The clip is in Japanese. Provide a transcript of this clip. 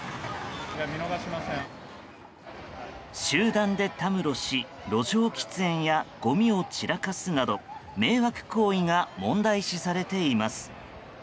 集団でたむろし路上喫煙やごみを散らかすなど迷惑行為が問題視されています。